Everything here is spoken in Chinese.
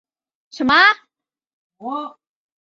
爱德华兹县是美国伊利诺伊州东南部的一个县。